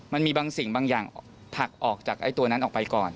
มันมีบางสิ่งบางอย่างผลักออกจากตัวนั้นออกไปก่อน